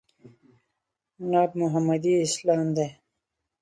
ناب محمدي اسلام دی.